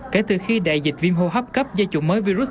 kể từ khi đại dịch viêm hô hấp cấp do chủng mới virus